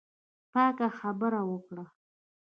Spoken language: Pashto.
پاکه خبره وکړه.